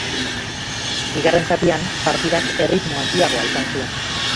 Bigarren zatian, partidak erritmo handiagoa izan zuen.